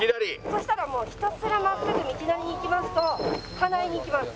そしたらもうひたすら真っすぐ道なりに行きますと金井に行きます。